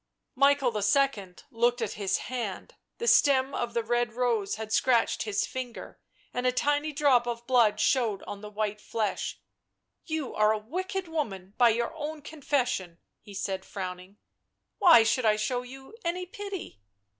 Michael II. looked at his hand ; the stem of the red rose had scratched his finger, and a tiny drop of blood showed on the white flesh. " You are a wicked woman, by your own confession," he said, frowning. " Why should I show you any pity?"